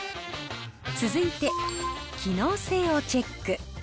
続いて、機能性をチェック。